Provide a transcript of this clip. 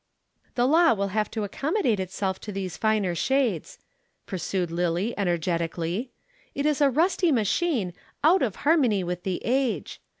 "The law will have to accommodate itself to these finer shades," pursued Lillie energetically. "It is a rusty machine out of harmony with the age.